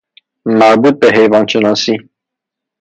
مربوط بحیوان شناسی